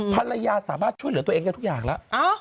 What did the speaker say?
ภรรยาสามารถช่วยเหลือตัวเองได้ทุกอย่างแล้ว